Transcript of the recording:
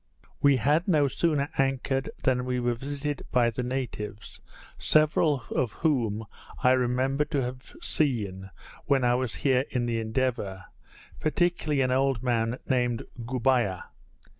We had no sooner anchored than we were visited by the natives, several of whom I remembered to have seen when I was here in the Endeavour, particularly an old man named Goubiah.